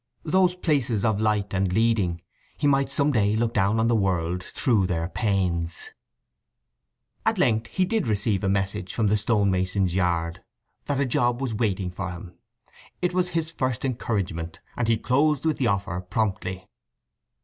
Those palaces of light and leading; he might some day look down on the world through their panes. At length he did receive a message from the stone mason's yard—that a job was waiting for him. It was his first encouragement, and he closed with the offer promptly.